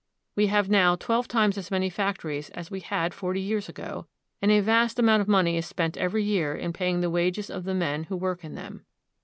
We have now twelve times as many factories as we had forty years ago, and a vast amount of money is spent every year in paying the wages of the men who work in them.